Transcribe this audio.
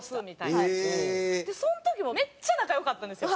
その時もめっちゃ仲良かったんですよ。